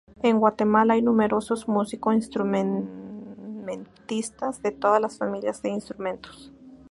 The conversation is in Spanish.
En Guatemala hay numerosos músicos instrumentistas de todas las familias de instrumentos.